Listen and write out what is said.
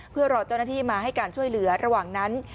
เพื่อรอเจ้าหน้าที่มาให้การช่วยเหลือระหว่างนั้น